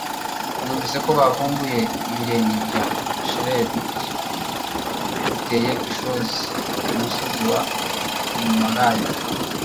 Numvise ko bavumbuye ibirenge bya shelegi uteye ishozi kumusozi wa Himalaya